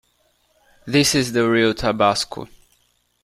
This is the real tabasco.